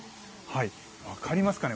分かりますかね。